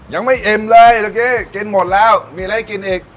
ยังไม่เอ็มเลยโอเคกินหมดแล้วมีอะไรกินอีก